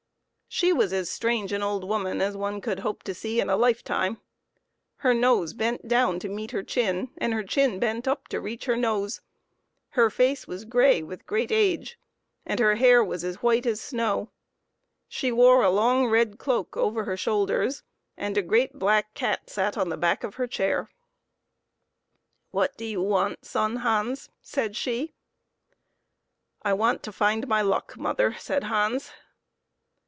She was as strange an old woman as one could hope to see in a lifetime. Her nose bent down to meet her chin, and her chin bent up to reach her nose ; her face was gray with great age, and her hair was as white as snow. She wore a long red cloak over her shoulders, and a great black cat sat on the back of her chair. " What do you want, Son Hans?" said she. " I want to find my luck, mother," said Hans.